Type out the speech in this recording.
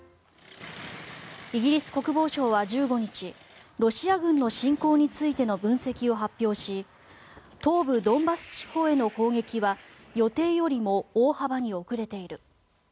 イギリス国防省は１５日ロシア軍の侵攻についての分析を発表し東部ドンバス地方への攻撃は予定よりも大幅に遅れている